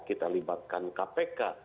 kita libatkan kpk